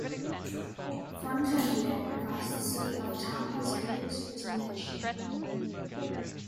Fontaneda provides the city of Tampa's earliest written mention.